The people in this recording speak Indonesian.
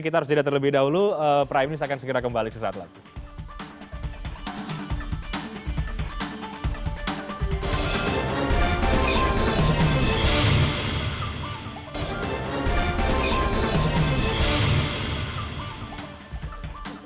kita harus jeda terlebih dahulu prime news akan segera kembali sesaat lagi